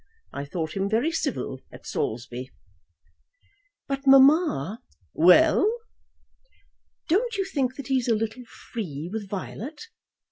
I thought him very civil at Saulsby." "But, mamma " "Well!" "Don't you think that he is a little free with Violet?"